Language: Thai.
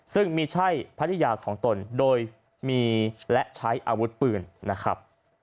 ซึ่งไม่ใช่ภรรยาของตนโดยมีและใช้อาวุธปืนนะครับ